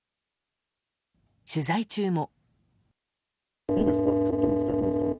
取材中も。